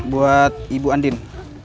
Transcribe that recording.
buat ibu andin